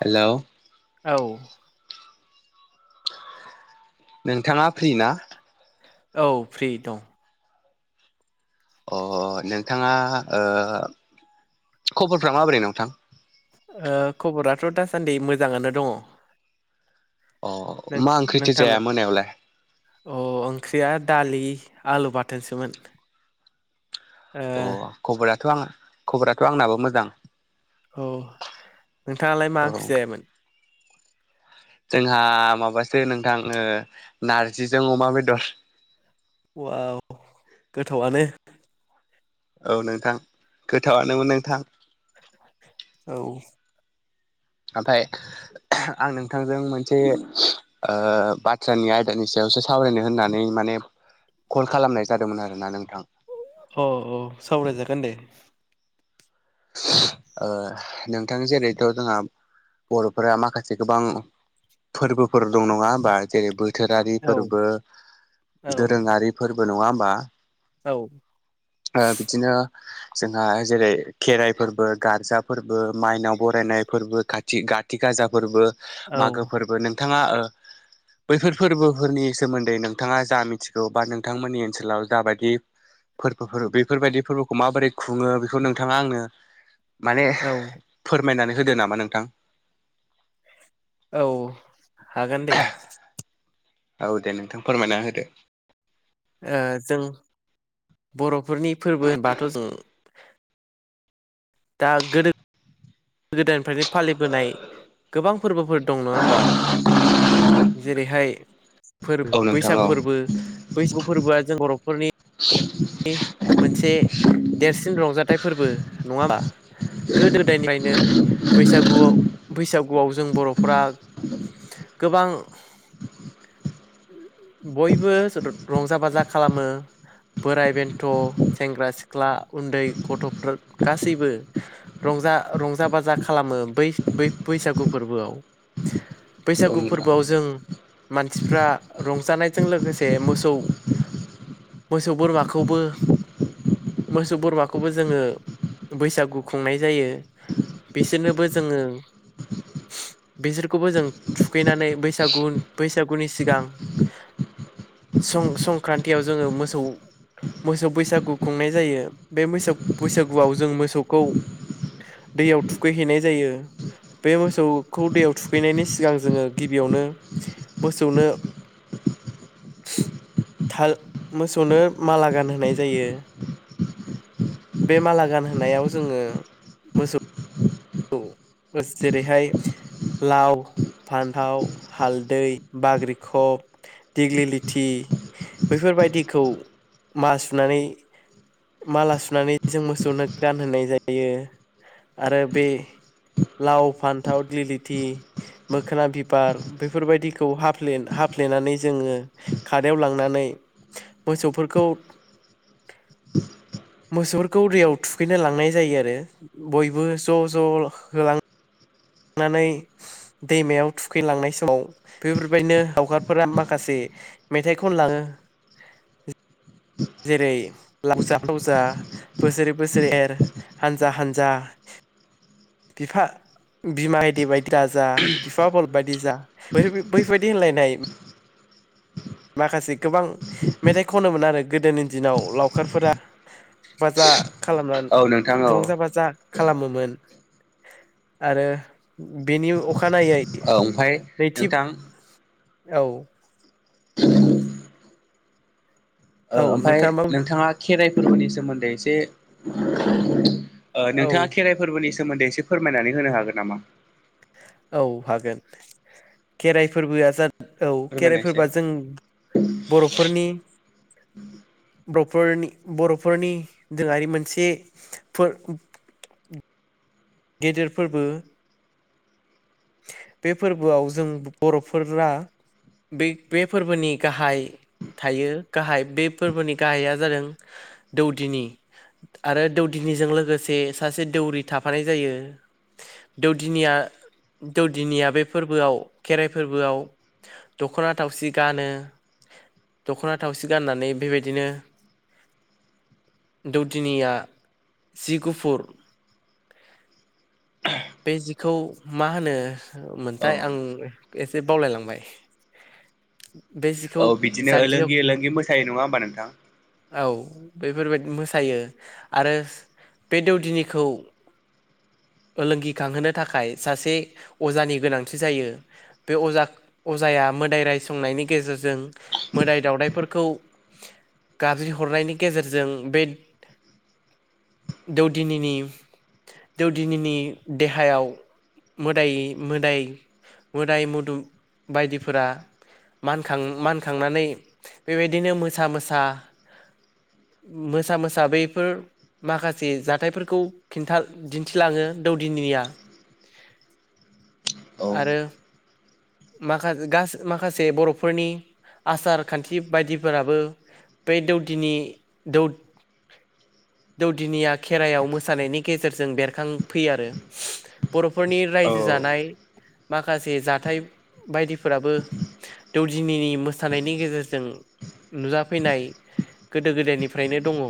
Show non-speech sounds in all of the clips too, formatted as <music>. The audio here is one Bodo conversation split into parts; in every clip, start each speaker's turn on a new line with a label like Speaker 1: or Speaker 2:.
Speaker 1: हेलौ।
Speaker 2: औ
Speaker 1: नोंथाङा फ्रि ना?
Speaker 2: औ फ्रि दं।
Speaker 1: ओ नोंथाङा ओ खबरफोरा माबोरै नोंथां?
Speaker 2: ओ खबराथ' दासान्दि मोजाङानो दङ'
Speaker 1: अ
Speaker 2: नों
Speaker 1: मा ओंख्रिथो जाया
Speaker 2: नोंथांना
Speaker 1: मोनायावलाय
Speaker 2: ओ ओंख्रिया दालि आलु बाथोनसोमोन।
Speaker 1: ओ खबराथ' आं खबराथ' आंनाबो मोजां।
Speaker 2: औ नोंथाङालाय मा
Speaker 1: औ
Speaker 2: ओंख्रि जायामोन
Speaker 1: जोंहा माबासो नोंथां ओ नारजिजों अमा बेदर
Speaker 2: औवाव गोथावआनो
Speaker 1: औ नोंथां गोथावानोमोन नोंथां
Speaker 2: औ
Speaker 1: ओमफ्राय आं नोंथांजों मोनसे ओ बाथ्रानि आयदानि सायावसो सावरायनो होननानै माने कल खालामनाय जादोंमोन आरोना नोंथां
Speaker 2: ओ ओ सावराय जागोन दे
Speaker 1: ओ नोंथां जेरैथ' जोंहा बर'फोरा माखासे गोबां फोरबोफोर दं नङा होनबा जेरै बो थोरारि
Speaker 2: औ
Speaker 1: फोरबो
Speaker 2: औ
Speaker 1: दोरोङारि फोरबो नङा होमबा ओ बिदिनो जोंहा जेरै खेराइ फोरबो गारजा फोरबो माइनाव बरायनाय फोरबो खाथि गाथि गाजा फोरबो
Speaker 2: औ
Speaker 1: मागो फोरबो नोंथाङा ओ बैफोर फोरबोफोरनि सोमोन्दै नोंथाङा जा मिथिगौ बा नोंथांमोननि ओनसोलाव जाबायदि फोरबोफोर बेफोरबायदि फोरबोखौ माबोरै खुङो बेखौ नों थाङा आंनो माने
Speaker 2: औ
Speaker 1: फोर फोरमायनानै होदो नामा नोंथां
Speaker 2: औ हागोन दे
Speaker 1: औ दे नोंथां फोरमायना होदो
Speaker 2: ओ जों बर'फोरनि फोरबो होनबाथ' जों दा गोदो गोदायनिफ्रायनो फालिबोनाय गोबां फोरबोफोर दं नङा होमबा जेरैहाय
Speaker 1: औ
Speaker 2: फोरबो
Speaker 1: नोंथां औ
Speaker 2: बैसागु फोरबो बैसागु फोरबोआ जों बर'फोरनि नि मोनसे देरसिन रंजाथाइ फोरबो नङा होमबा गोदो गोदायनिफ्रायनो बैसागुआव बैसागुआव जों बर'फ्रा गोबां बयबो ज रंजा बाजा खालामो बोराइ बेन्थ' सेंग्रा सिख्ला उन्दै गथ'फोर गासैबो रंजा जा रंजा बाजा खालामो बै बै बैसागु फोरबोआव
Speaker 1: <inaudible>
Speaker 2: बैसागु
Speaker 1: नोंथां
Speaker 2: फोरबोआव जों मानसिफ्रा रंजानायजों लोगोसे मोसौ मो सौ बोरमाखौबो मोसौ बोरमाखौबो जोङो बैसागु खुंनाय जायो बिसोरनोबो जोङो बिसोरखौबो जों थुखैनानै बैसागु बैसागुनि सिगां सं संक्रान्तियाव जोङो मोसौ मोसौ बैसागु खुंनाय जायो बे मोसौ बैसागुआव जों मोसौखौ दैयाव थुखैहैनाय जायो बे मोसौखौ दैयाव थुखैनायनि सिगां जोङो गिबियावनो मोसौनो
Speaker 1: <inaudible>
Speaker 2: थाल मोसौनो माला गानहोनाय जायो। बे माला गानहोनायाव जोङो मोसौ औ जेरैहाय लाव फान्थाव हालदै बाग्रिखब दिग्लि लथि बैफोरबायदिखौ मा सुनानै माला सुनानै जों मोसौनो गानहोनाय जायो आरो बे लाव फान्थाव दिग्लि लिथि मोखोना बिबार बेफोरबायदिखौ हफ्ले हा फ्लेनानै जोङो खारायाव लांनानै मोसौफोरखौ
Speaker 1: <inaudible>
Speaker 2: मोसौफोरखौ दैयाव थुखैना लांनाय जायो आरो बयबो ज' ज' होलां थांनानै दैमायाव थुखैलांनाय समाव बेफोरबायदिनो हगारफोरा माखासे मेथाइखौ खनलाङो।
Speaker 1: <inaudible>
Speaker 2: जेरै लावजा लावजा बोसोरै बोसोरै हानजा हानजा बिफा बिमा गायदे बिदि बायदि दाजा बिफा बल बायदि जा बैबायदि होनलायनाय माखासे गोबां मेथाइ खनोमोन आरो गोदोनि दिनाव लावखारफोरा बाजा खालामनानै
Speaker 1: औ नोंथां औ
Speaker 2: रंजा बाजा खालामोमोन आरो बेनि अ अखानायै
Speaker 1: औ ओमफाय
Speaker 2: नैथि
Speaker 1: नोंथां
Speaker 2: औ
Speaker 1: ओ
Speaker 2: औ
Speaker 1: ओमफ्राय
Speaker 2: नोंथाङा मा
Speaker 1: नोंथाङा खेराइ फोरबोनि सोमोन्दै एसे ओ
Speaker 2: औ
Speaker 1: नोंथाङा खेराइ फोरबोनि सोमोन्दै एसे फोरमायनानै होनो हागोन नामा?
Speaker 2: औ हागोन खेराइ फोरबोआ जा औ
Speaker 1: फोरमायनायसाय
Speaker 2: खेराइफोरबाआ जों बर'फोरनि <inaudible> बर'फोरनि बर'फोरनि दोङारि मोनसे गेदेर फोरबो। बे फोरबोआव जों बर'फोरा बे बे फोरबोनि गाहाय थायो गाहाय बे फोरबोनि गाहाइया जादों दौदिनि आरो दौदिनिजों लोगोसे सासे दौरि थाफानाय जायो दौदिनिया दौदिनिया बे फोरबोआव खेराइ फोरबोआव दख'ना थावसि गानो
Speaker 1: <inaudible>
Speaker 2: दख'ना थावसि गाननानै बेबायदिनो दौदिनिया जि गुफुर बे जिखौ मा होनो
Speaker 1: औ
Speaker 2: मोनथाय आं एसे बावलायलांबाय <inaudible>
Speaker 1: औ बिदिनो
Speaker 2: जान्जियाव
Speaker 1: लोंगिलोंगि मोसायो नङा होमबा नोंथां
Speaker 2: औ बेफोरबायाददि मोसायो आरो बे दौदिनिखौ
Speaker 1: <inaudible>
Speaker 2: लोंगिखांहोनो थाखाय सासे अजानि गोनांथि जायो बे अजा अजाया मोदाय रायसंनायनि गेजेरजों मोदाय दावउदायफोरखौ
Speaker 1: <inaudible>
Speaker 2: गाज्रि हरनायनि गेजेरजों बे दौदिनिनि दौदिनिनि देहायाव मोदाय मोदाय मोदाय मुदोम बायदिफोरा मानखां मानखांनानै बेबायदिनो मोसा मोसा मोसा मोसा बैफोर माखासे जाथायफोरखौ खिन्था दिन्थिलाङो दौदिनिया
Speaker 1: औ
Speaker 2: आरो माखा गासै माखासे बर'फोरनि आसार खान्थि बायदिफोराबो बे दौदिनि दौ
Speaker 1: <inaudible>
Speaker 2: दौदिनिया खेराइयाव मोसानायनि गेजेरजों बेरखांफैयो आरो बर'फोरनि
Speaker 1: औ
Speaker 2: रायजो जानाय माखासे जाथाय बायदिफोराबो दौदिनिनि मोसानायनि गेजेरजों नुजाफैनाय गोदो गोदायनिफ्रायनो दङ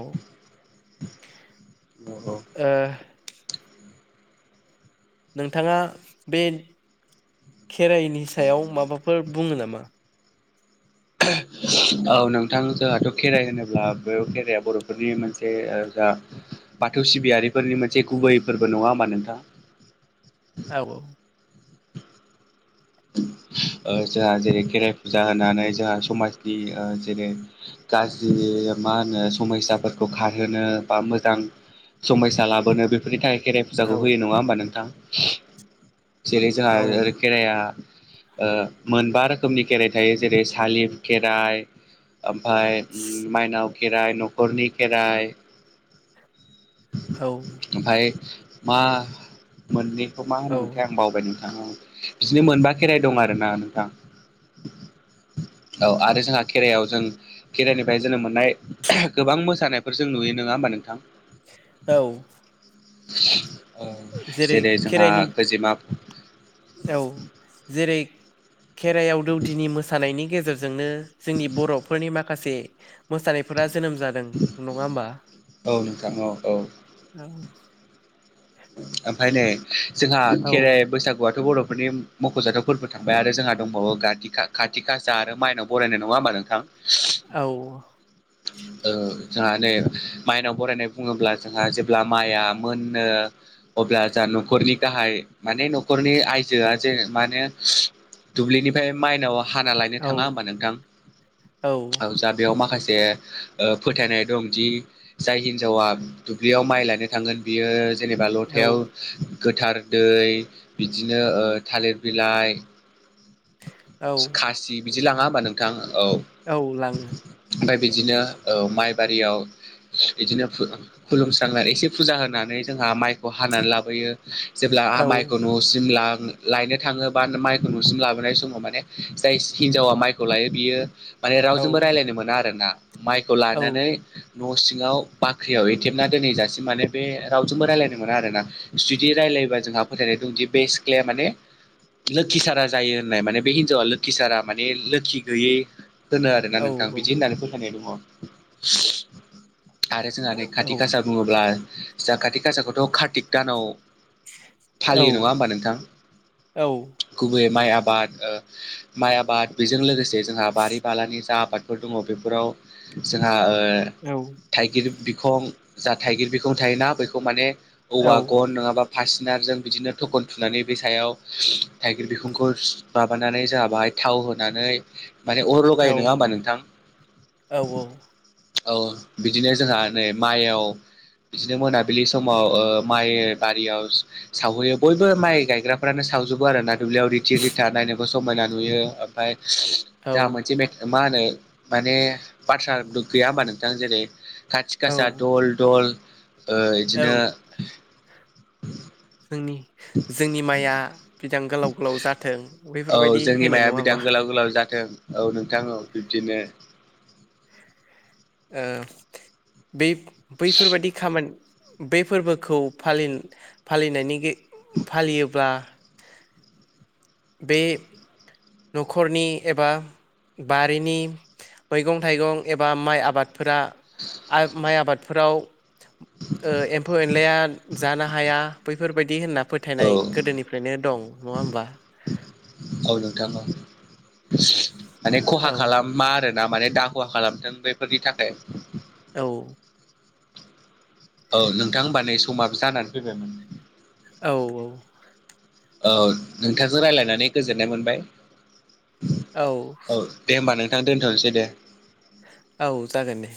Speaker 1: <inaudible>
Speaker 2: ओ नोंथाङा बे खेराइनि सायाव माबाफोर बुङो नामा
Speaker 1: औ नोंथां जोंहाथ' खेराइ होनोब्ला बे खेराइाया बर'फोरनि मोनसे बाथौ सिबियारिफोरनि मोनसे गुबैफोरबो नङा होमबा नोंथां
Speaker 2: औ
Speaker 1: ओ जोंहा जेरै खेराइ फुजा होनानै जोंहा समाजनि जेरै गाज्रि मा होनो समयसाफोरखौ खारहोनो बा मोजां समयसा लाबोनो बेफोरनि थाखाय खेराइ
Speaker 2: औ
Speaker 1: फुजाखौ होयो नङा होमबा नोंथां जेरै जोंहा
Speaker 2: औ
Speaker 1: ओरै खेराइआ ओ मोनबा रोखोमनि खेराइ थायो जेरै सालिब खेराइ ओमफ्राय माइनाव खेराइ न'खरनि खेराइ
Speaker 2: औ
Speaker 1: ओमफ्राय मा मोननि बेखौ मा
Speaker 2: औ
Speaker 1: होनोमोनथाय आं बावबाय नोंथा ओं बिदिनो मोनबा खेराइ दं आरो ना नोंथां औ आरो जोंहा खेरायाव जों खेराइनिफ्राय जोङो मोननाय गोबां मोसानायफोर जों नुयो नङा होमबा नोंथां
Speaker 2: औ
Speaker 1: ओ जेरै जोंहा खोजिमा
Speaker 2: औ जेरै खेराइयाव दौदिनि मोसानायनि गेजेरजोंनो जोंनि बर'फोरनि माखासे मोसानायफोरा जोनोम जादों नङा होमबा
Speaker 1: औ नोंथां औ औ
Speaker 2: औ
Speaker 1: ओमफ्राय नै जोंहा
Speaker 2: औ
Speaker 1: खेराइ बैसागु ' बर'फोरनि मख'जाथाव फोरबो थांबाय आरो जोंहा दंबावो खाथिखासा आरो माइनाव बरायनाय नङा होमबा आरो नोंथां
Speaker 2: औ
Speaker 1: ओ जोंहा नै माइनाव बरायनाय बुङोब्ला जोंहा जेब्ला माइआ मोनो अब्ला ज न'खरनि गाहाय माने न'खरनि आयजोआ जे माने दुब्लिनिफ्राय माइनावा हाना लायनो
Speaker 2: औ
Speaker 1: थाङा होमबा नोंथां औ जा बेयाव माखासे ओ फोथायनाय दं दि जाय हिनजावा दुब्लियाव माइ लानो थांगोन बियो जेनेबा
Speaker 2: औ
Speaker 1: लथायाव गोथार दै बिदिनो ओ थालिर बिलाइ
Speaker 2: औ
Speaker 1: खासि बिदि लाङा होमबा नोंथां औ
Speaker 2: औ लाङो
Speaker 1: ओमफ्राय बिदिनो औ माइ बारियाव बिदिनो खुलुमस्रां एसे फुजा होनानै जोंहा माइखौ हानानै लाबोयो जेब्ला हा
Speaker 2: औ
Speaker 1: माइखौ न'सिम लायनो थाङोबा माइखौ न'सिम लाबो ननाय समाव माने जाय हिनजावा माइखौ लायो बियो माने
Speaker 2: औ
Speaker 1: रावजोंबो रायजलायनो मोना आरो ना माइखौ
Speaker 2: औ
Speaker 1: लानानै न' सिङाव बाख्रियाव एथेबना दोनै जाासिम माने बे रावजोंबो रायलायनो मोना आरो जि बिदि रायलायबा जोंहा फोथायनाय दंदि बेसख्लाया माने लोखि सारा जायो नाय माने बे हिनजावा लोखि सारा माने लोखि गैयै होनो आरोना
Speaker 2: औ
Speaker 1: नोंथां बिदि होननानै फोथायनाय दङ आरो जोंहा नै खाति
Speaker 2: औ
Speaker 1: खाासा बुङोब्ला जों खाात गासाखौथ' कार्तिक दानाव फालियो नङा होमबा नोंथां गुबैय आबाद माइ आबाद बेजों लोगोसे जोंहा बारि बालानि जा आबादफोर दङ बेफोराव जोंहा ओ थाइगिर बिखं जा थाइगिर बिखं थायोना बेखौ माने
Speaker 2: औ
Speaker 1: औवा गन
Speaker 2: औ
Speaker 1: नङाबा फासिनारजों बिदिनो थखन थुनानै बे सायाव थाइगिर बिखुंखौ माबानानै जोहा बाहाय थाव होनानै माने अर लगायो
Speaker 2: औ
Speaker 1: नङा होमबा नोंथां।
Speaker 2: औ
Speaker 1: औ बिदिनो जोंहा नै माइयाव। बिदिनो मोनाबिलि समाव ओ माइ बारियाव सावहैयो बयबो माइ गायग्राफ्रानो सावजोबो आरो ना। जोंहा नायनोबो समायना नुयो ओमफ्राय
Speaker 2: औ
Speaker 1: जोहा मोनसे मा होनो माने बाथ्रा गैया होमबा नोंथां जेरै खाथि
Speaker 2: औ
Speaker 1: गासा दल दल ओ
Speaker 2: औ
Speaker 1: बिदिनो
Speaker 2: जोंनि जोंनि माइया बिदां गोलाव गोलाव जाथों बेफोरबायदि होनो नङा होमबा।
Speaker 1: ओ जाथो औ नोंथां औ बिदिनो अब्ला।
Speaker 2: ओ बै बैफोरबायदि खामानि बेै फोरबोखौ फालिन फालिनायनि गे फालियोब्ला
Speaker 1: <unintelligible>
Speaker 2: बे न'खरनि एबा बारिनि मैगं थाइगं एबा माइ आबादफोरा माइ आबादफोराव ओ एम्फौ एनलाया जानो हाया बैफोरबायदि होनना
Speaker 1: औ
Speaker 2: फोथायनाय गोदोनिफ्रायनो दं नङा होमबा।
Speaker 1: औ नोंथां माने खहा
Speaker 2: औ
Speaker 1: खालामा आरो माने दाखुवा खालामथों बेफोरनि थाखाय
Speaker 2: औ।
Speaker 1: औ नोंथां होमबा नै समाबो जानानै फैबाय मोन।
Speaker 2: औ औ।
Speaker 1: औ नोंथांजों राय्लायनानै गोजोननाय मोनबाय।
Speaker 2: औ
Speaker 1: औ दे होमबा नोंथां दोनथ'नोसै दे।
Speaker 2: औ जागोन दे।